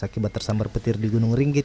akibat tersambar petir di gunung ringgit